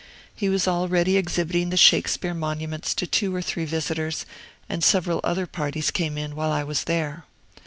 He was already exhibiting the Shakespeare monuments to two or three visitors, and several other parties came in while I was there.